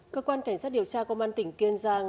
cơ quan cảnh sát điều tra công an tỉnh kiên giang